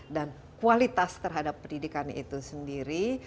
dan kualitas terhadap pendidikan itu sendiri